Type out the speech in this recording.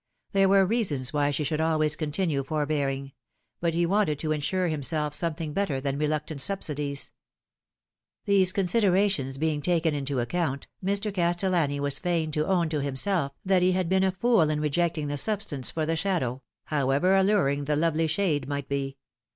There were reasons why she should always continue forbearing ; but he wanted to insure himself something better than reluctant subsidies. These considerations being taken into account, Mr. Castellani was fain to own to himself that he had been a fool in rejecting the substance for the shadow, however alluring the lovely shade might be.